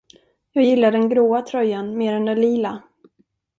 Jag gillar den gråa tröjan mer än den lila.